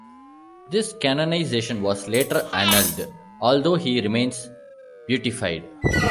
This canonization was later annulled, although he remains beatified.